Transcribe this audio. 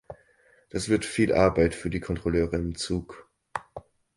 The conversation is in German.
Das wird viel Arbeit für die Kontrolleure im Zug.